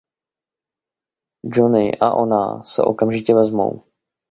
Johnny a ona se okamžitě vezmou.